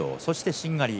しんがり